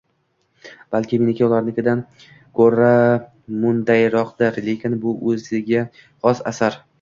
Balki meniki ularnikidan koʻra mundayroqdir, lekin bu oʻziga xos asar